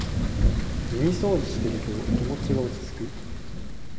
耳そうじしてると気持ちが落ちつく